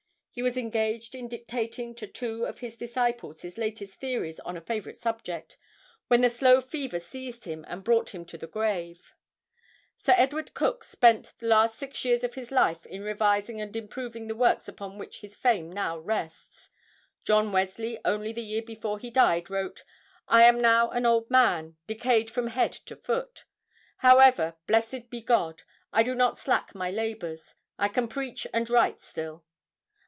He was engaged in dictating to two of his disciples his latest theories on a favorite subject, when the slow fever seized him that brought him to the grave. Sir Edward Coke spent the last six years of his life in revising and improving the works upon which his fame now rests. John Wesley only the year before he died wrote: "I am now an old man, decayed from head to foot…. However, blessed be God! I do not slack my labors; I can preach and write still."